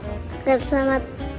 nggak mau ngasih selamat